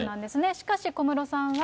しかし小室さんは。